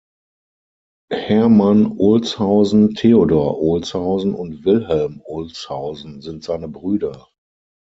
Hermann Olshausen, Theodor Olshausen und Wilhelm Olshausen sind seine Brüder.